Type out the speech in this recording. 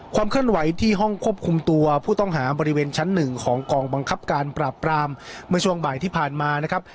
เคลื่อนไหวที่ห้องควบคุมตัวผู้ต้องหาบริเวณชั้นหนึ่งของกองบังคับการปราบปรามเมื่อช่วงบ่ายที่ผ่านมานะครับ